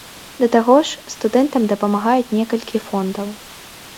Да таго ж, студэнтам дапамагаюць некалькі фондаў.